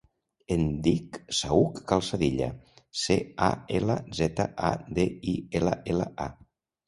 Em dic Saüc Calzadilla: ce, a, ela, zeta, a, de, i, ela, ela, a.